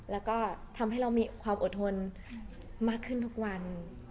แล้วก็ทำให้เรามีความอดทนมากขึ้นทุกวัน